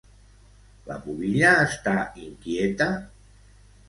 La pubilla està inquieta?